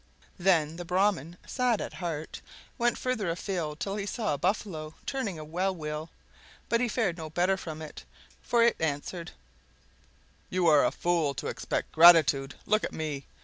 Then the Brahman sad at heart, went farther afield till he saw a Buffalo turning a well wheel; but he fared no better from it, for it answered, "You are a fool to expect gratitude! Look at me!